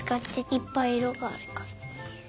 いっぱいいろがあるから。